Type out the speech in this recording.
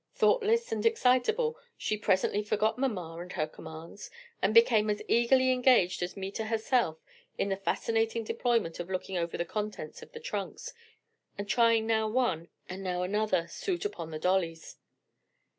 Thoughtless and excitable, she presently forgot mamma and her commands, and became as eagerly engaged as Meta herself in the fascinating employment of looking over the contents of the trunks, and trying now one, and now another suit upon the dollies.